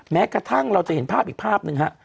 แม้กระทั่งเราจะเห็นภาพอีกภาพหนึ่งฮะ